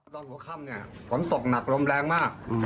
ตอนหัวค่ำเนี่ยฝนตกหนักลมแรงมาก